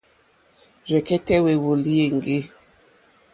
Rzɛ̀kɛ́tɛ́ hwèwɔ́lì hwéŋɡê.